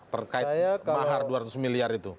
terkait mahar dua ratus miliar itu